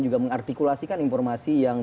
juga mengartikulasikan informasi yang